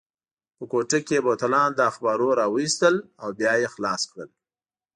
په کوټه کې یې بوتلان له اخبارو راوایستل او بیا یې خلاص کړل.